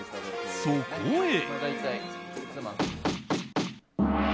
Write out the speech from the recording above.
そこへ。